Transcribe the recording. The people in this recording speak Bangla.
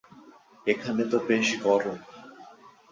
এখানে তো বেশ গরম।